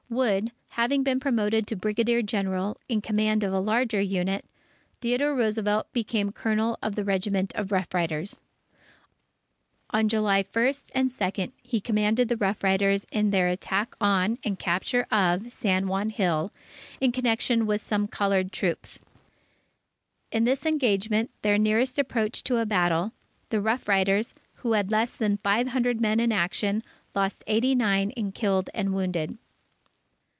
Wood having been promoted to Brigadier General, in command of a larger unit, Theodore Roosevelt became Colonel of the regiment of Rough Riders. On July 1 and 2, he commanded the Rough Riders in their attack on and capture of San Juan Hill, in connection with some coloured troops. In this engagement, their nearest approach to a battle, the Rough Riders, who had less than five hundred men in action, lost eighty nine in killed and wounded.